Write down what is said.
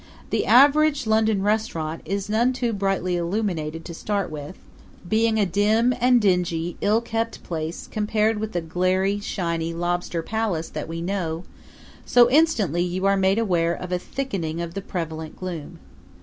The average London restaurant is none too brightly illuminated to start with, being a dim and dingy ill kept place compared with the glary, shiny lobster palace that we know; so instantly you are made aware of a thickening of the prevalent gloom.